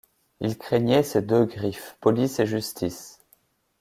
Il craignait ces deux griffes, police et justice.